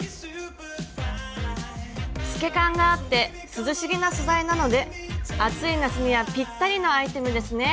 透け感があって涼しげな素材なので暑い夏にはぴったりのアイテムですね。